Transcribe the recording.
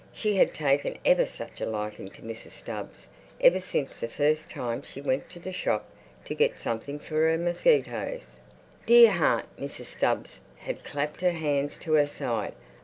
She had taken ever such a liking to Mrs. Stubbs ever since the first time she went to the shop to get something for her mosquitoes. "Dear heart!" Mrs. Stubbs had clapped her hand to her side.